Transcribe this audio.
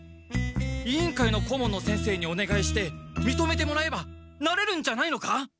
委員会の顧問の先生におねがいしてみとめてもらえばなれるんじゃないのか！